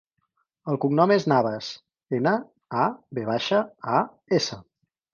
El cognom és Navas: ena, a, ve baixa, a, essa.